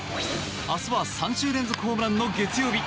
明日は３週連続ホームランの月曜日。